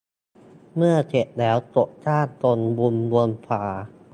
เมื่อเสร็จแล้ว กดสร้างตรงมุมบนขวา